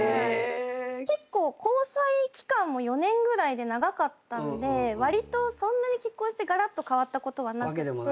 結構交際期間も４年ぐらいで長かったんでわりとそんなに結婚してがらっと変わったことはなくて。